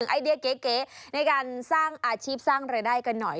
ไอเดียเก๋ในการสร้างอาชีพสร้างรายได้กันหน่อย